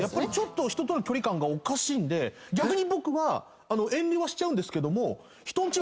ちょっと人との距離感がおかしいんで逆に僕は遠慮はしちゃうんですけども。